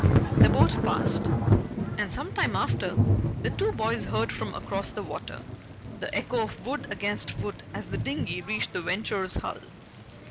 The boat passed, and some time after, the two boys heard from across the water the echo of wood against wood as the dinghy reached the Venture's hull.